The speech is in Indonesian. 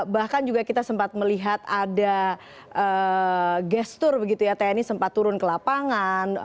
bahkan juga kita sempat melihat ada gestur begitu ya tni sempat turun ke lapangan